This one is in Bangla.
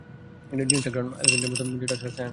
জিনিসটার ঘ্রাণ অ্যালমন্ডের মতো ছিল, যেটা আসলে সায়ানাইড।